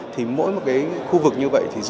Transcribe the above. thì mỗi một cái khu vực như vậy